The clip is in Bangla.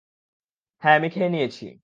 আমি খেয়ে নিয়েছি।